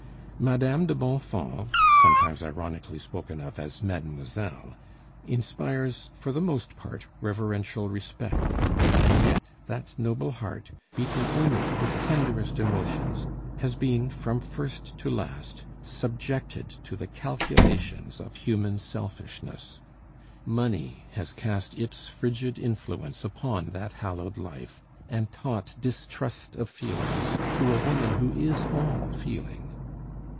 Madame de Bonfons (sometimes ironically spoken of as mademoiselle) inspires for the most part reverential respect: and yet that noble heart, beating only with tenderest emotions, has been, from first to last, subjected to the calculations of human selfishness; money has cast its frigid influence upon that hallowed life and taught distrust of feelings to a woman who is all feeling.